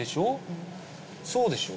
うんそうでしょ？